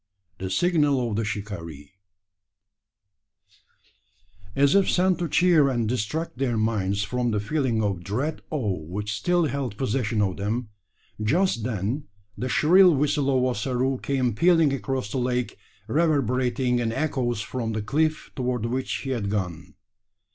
The signal of the Shikaree. As if sent to cheer and distract their minds from the feeling of dread awe which still held possession of them, just then the shrill whistle of Ossaroo came pealing across the lake, reverberating in echoes from the cliff toward which he had gone.